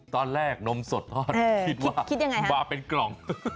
ตอนแรกนมสดทอดคิดว่าบาทเป็นกล่อง